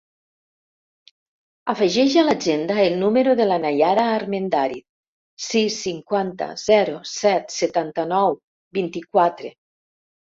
Afegeix a l'agenda el número de la Naiara Armendariz: sis, cinquanta, zero, set, setanta-nou, vint-i-quatre.